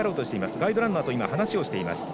ガイドランナーと話をしています。